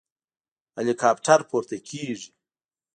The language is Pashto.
هليكاپټر پورته کېږي.